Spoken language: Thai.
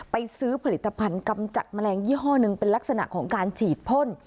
ไปซื้อผลิตภัณฑ์กำจัดแมลงยี่ห้อหนึ่งเป็นลักษณะของการฉีดพ่น